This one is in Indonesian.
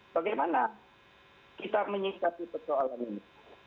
bagaimana kita menyikapi persoalan ini